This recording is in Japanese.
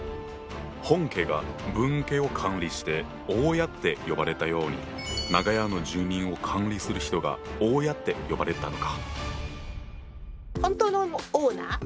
本家が分家を管理して「大家」って呼ばれたように長屋の住人を管理する人が「大家」って呼ばれたのか。